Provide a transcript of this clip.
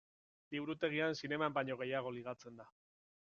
Liburutegian zineman baino gehiago ligatzen da.